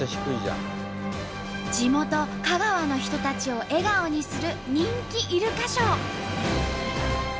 地元香川の人たちを笑顔にする人気イルカショー。